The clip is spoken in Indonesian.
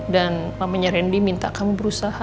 dan mamanya randy minta kamu berusaha